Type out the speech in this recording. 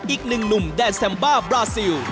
อีกหนึ่งหนุ่มแดนแซมบ้าบราซิล